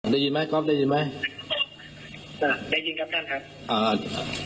ได้ยินไหมก๊อฟได้ยินไหมอ่าได้ยินครับท่านครับอ่า